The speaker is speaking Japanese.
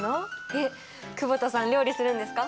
えっ久保田さん料理するんですか？